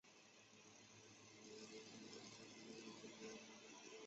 向量空间的线性映射在几何学中看起来就是线到线的映射。